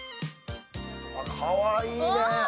かわいいね。